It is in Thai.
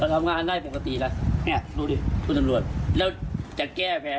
เราทำงานได้ปกติแล้วนี่ดูสิคุณตำรวจ